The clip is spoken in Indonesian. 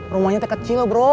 rumahnya tuh kecil bro